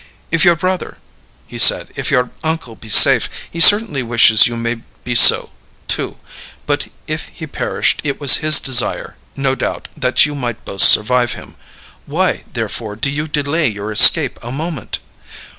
"If your brother," he said, "if your uncle be safe, he certainly wishes you may be so, too; but if he perished it was his desire, no doubt, that you might both survive him; why, therefore, do you delay your escape a moment?"